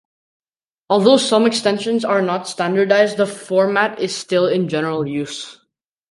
Although some extensions are not standardized, the format is still in general use.